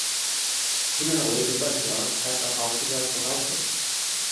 Generally the "Badghar" has a Chaukidar to help him.